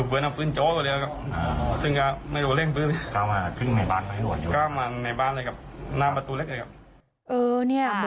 ลองไปยิงเลยไม่คุยเลย